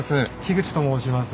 口と申します。